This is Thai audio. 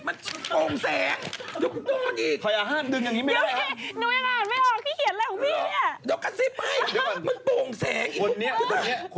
มันปรุงแสงเดี๋ยวกันอีก